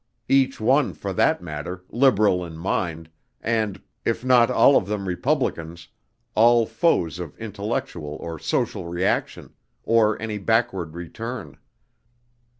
Each one, for that matter, liberal in mind, and, if not all of them republicans, all foes of intellectual or social reaction, or any backward return.